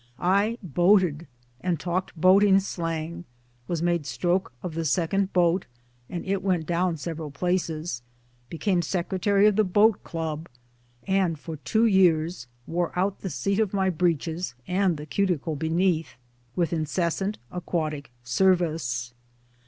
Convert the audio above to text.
I boated and talked boating slang ; was made stroke of the second boat, and it went down several places ; became Secretary of the Boat Club ; and for two years wore out the seat of my breeches and the cuticle beneath with incessant aquatic service.